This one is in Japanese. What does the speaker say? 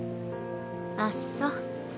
あっそ。